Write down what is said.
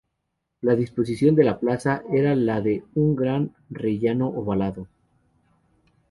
La disposición de la plaza era la de un gran rellano ovalado.